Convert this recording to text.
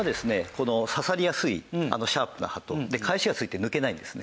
この刺さりやすいシャープな歯とかえしがついて抜けないんですね。